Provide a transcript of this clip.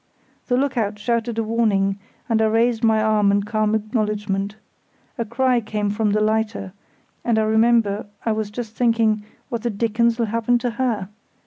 The look out shouted a warning, and I raised my arm in calm acknowledgement. A cry came from the lighter, and I remember I was just thinking "What the Dickens'll happen to her?"